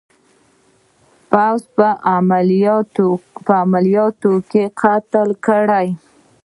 په پوځي عملیاتو کې قتل کړل.